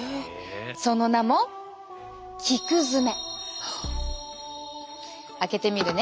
その名も開けてみるね。